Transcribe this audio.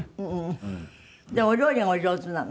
でもお料理がお上手なの？